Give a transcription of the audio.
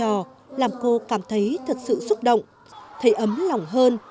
học trò làm cô cảm thấy thật sự xúc động thấy ấm lòng hơn